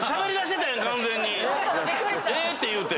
「えっ？」って言うて。